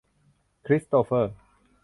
คริสโตเฟอร์